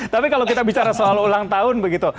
tapi kalau kita bicara soal ulang tahun begitu